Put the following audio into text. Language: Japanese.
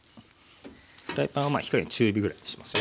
フライパンは火加減中火ぐらいにしますよ。